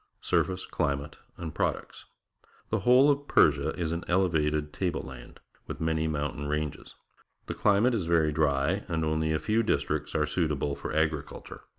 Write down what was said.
Surface, Climate, and Products. — The whole of Persia is an elevated table land. with many mountain ranges. The climate is very dry, and only a few districts are suit able for agriculture.